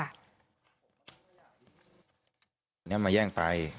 อันนี้มาแย่งไป